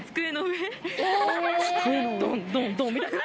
ドンドンドン！みたいな。